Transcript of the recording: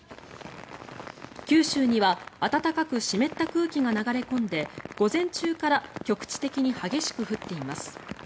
九州には暖かく湿った空気が流れ込んで午前中から局地的に激しく降っています。